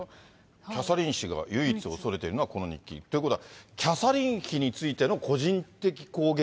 キャサリン妃が唯一恐れているのがこの日記。ということは、キャサリン妃についての個人的攻撃？